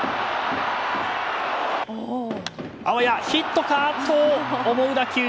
あわやヒットかと思う打球。